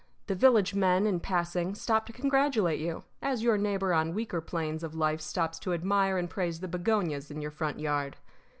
The village men, in passing, stop to congratulate you, as your neighbor on weaker planes of life stops to admire and praise the begonias in your front yard.